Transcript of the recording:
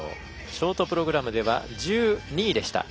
ショートプログラムでは１２位でした。